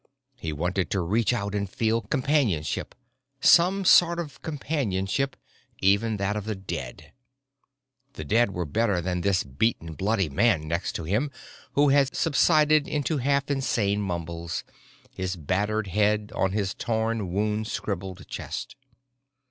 He wanted to reach out and feel companionship, some sort of companionship, even that of the dead. The dead were better than this beaten, bloody man next to him who had subsided into half insane mumbles, his battered head on his torn and wound scribbled chest.